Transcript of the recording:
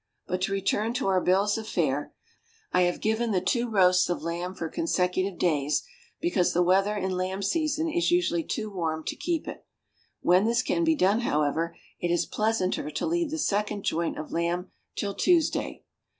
But to return to our bills of fare: I have given the two roasts of lamb for consecutive days, because the weather in lamb season is usually too warm to keep it; when this can be done, however, it is pleasanter to leave the second joint of lamb till Tuesday.